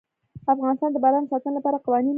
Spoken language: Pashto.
افغانستان د باران د ساتنې لپاره قوانین لري.